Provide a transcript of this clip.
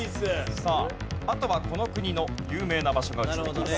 さああとはこの国の有名な場所が映ってきます。